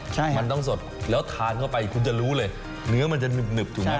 ใช่มันต้องสดแล้วทานเข้าไปคุณจะรู้เลยเนื้อมันจะหนึบถูกไหม